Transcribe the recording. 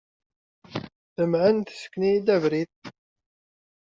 Temɛen, tessken-iyi-d abrid.